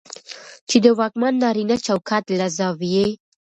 چې د واکمن نارينه چوکاټ له زاويې